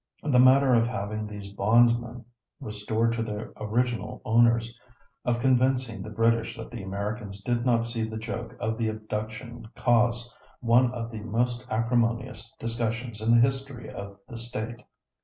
The matter of having these bondmen restored to their original owners, of convincing the British that the Americans did not see the joke of the abduction caused one of the most acrimonious discussions in the history of the State.